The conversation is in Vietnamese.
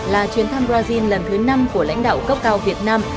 là chuyến thăm brazil lần thứ năm của lãnh đạo cấp cao việt nam